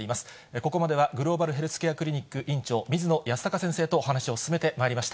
ここまでは、グローバルヘルスケアクリニック院長、水野泰孝先生とお話を進めてまいりました。